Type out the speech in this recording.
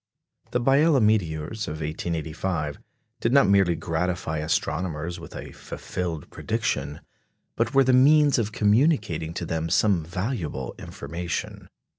The Biela meteors of 1885 did not merely gratify astronomers with a fulfilled prediction, but were the means of communicating to them some valuable information.